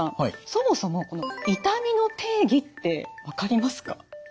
そもそも痛みの定義って分かりますか？